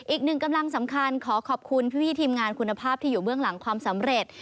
อีกหนึ่งกำลังสำคัญขอขอบคุณพี่ทีมงานคุณภาพที่อยู่เบื้องหลังความสำเร็จ